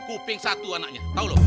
kuping satu anaknya tau loh